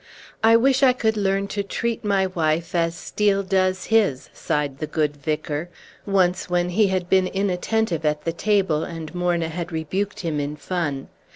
"I wish I could learn to treat my wife as Steel does his," sighed the good vicar, once when he had been inattentive at the table, and Morna had rebuked him in fun.